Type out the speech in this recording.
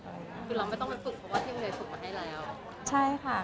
คือเราไม่ต้องไปฝึกเพราะว่าที่โรงเรียนฝึกมาให้แล้วใช่ค่ะ